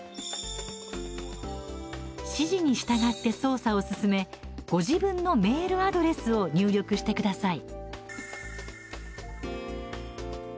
指示に従って操作を進めご自分のメールアドレスを入力してください。